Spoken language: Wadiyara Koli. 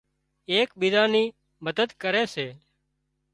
ايڪ ٻيزان ني مدد ڪري سي